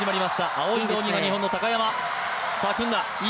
青い道着が日本の高山。